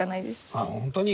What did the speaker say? ああ本当に？